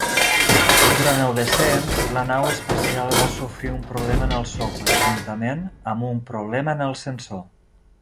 Durant el descens, la nau espacial va sofrir un problema en el software juntament amb un problema en el sensor.